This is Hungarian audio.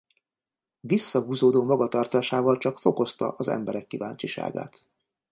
Visszahúzódó magatartásával csak fokozta az emberek kíváncsiságát.